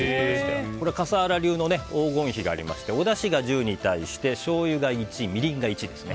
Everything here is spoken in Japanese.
これは笠原流の黄金比がありましておだしが１０に対してしょうゆが１、みりんが１です。